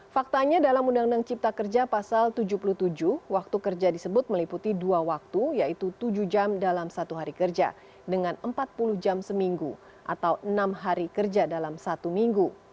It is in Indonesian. faktanya dalam undang undang cipta kerja pasal tujuh puluh tujuh waktu kerja disebut meliputi dua waktu yaitu tujuh jam dalam satu hari kerja dengan empat puluh jam seminggu atau enam hari kerja dalam satu minggu